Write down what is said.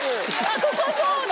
ここそうだ